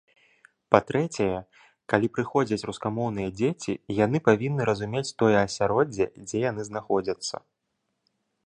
Па-трэцяе, калі прыходзяць рускамоўныя дзеці, яны павінны разумець тое асяроддзе, дзе яны знаходзяцца.